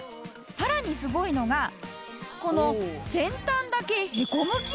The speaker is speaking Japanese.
さらにすごいのがこの先端だけへこむ機能。